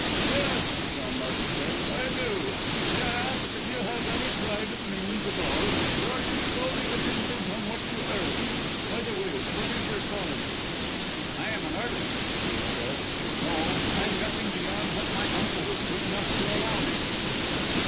"Yes," John Martin said, "I do. May I ask if you have any private means at all or are you solely dependent on what you earn? By the way, what is your calling?" "I am an artist," Shiel said. "No, I've nothing beyond what my uncle was good enough to allow me."